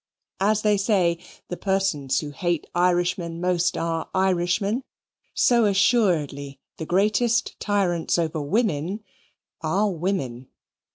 As they say, the persons who hate Irishmen most are Irishmen; so, assuredly, the greatest tyrants over women are women.